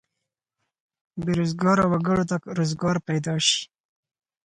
بې روزګاره وګړو ته روزګار پیدا شي.